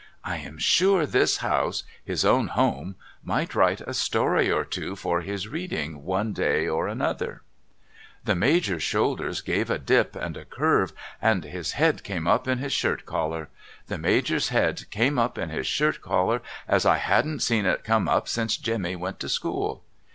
' I am sure this house— his own home — might write a story or two for his reading one day or another.' 343 MRS. LIkRIPER'S LODGINGS 'I'he Major's shoulders gave a dip and a curve and his head came up in his shirt collar. The Major's head came up in his shirt collar as I hadn't seen it come up since Jemmy went to school.